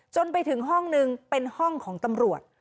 จนไปถึงห้องนึงเป็นห้องของตำรวจ